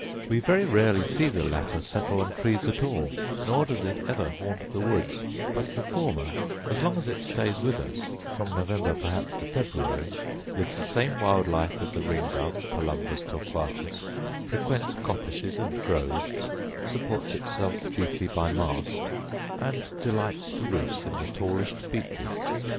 We very rarely see the latter settle on trees at all, nor does it ever haunt the woods; but the former, as long as it stays with us, from November perhaps to February, lives the same wild life with the ring dove, palumbus torquatus; frequents coppices and groves, supports itself chiefly by mast, and delights to roost in the tallest beeches.